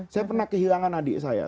saya pernah kehilangan adik saya